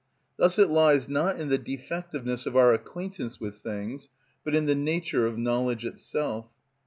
Thus it lies not in the defectiveness of our acquaintance with things, but in the nature of knowledge itself.